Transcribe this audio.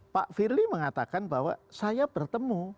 pak firly mengatakan bahwa saya bertemu